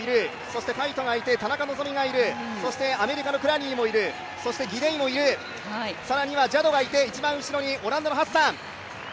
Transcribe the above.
そしてカイトがいてそしてアメリカのクラニーもいるギデイもいる、更にはジャドがいて一番後ろにオランダのハッサン。